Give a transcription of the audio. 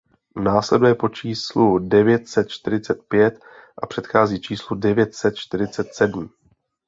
Následuje po číslu devět set čtyřicet pět a předchází číslu devět set čtyřicet sedm.